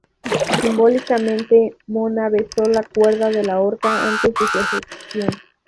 Simbólicamente Mona besó la cuerda de la horca antes de su ejecución.